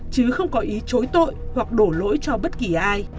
chứ không có ý chối tội hoặc đổ lỗi cho bất kỳ ai